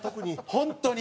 本当に。